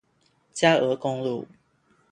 佳鵝公路